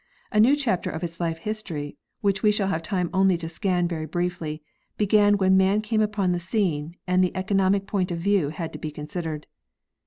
A new chapter of its life history, which we shall have time only to scan very briefly, began when man came upon the scene and the economic point of view had to be considered.